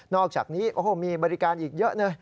อกจากนี้โอ้โหมีบริการอีกเยอะเลย